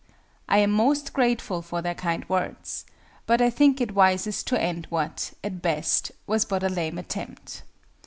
I am most grateful for their kind words; but I think it wisest to end what, at best, was but a lame attempt.